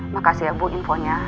makasih ya bu infonya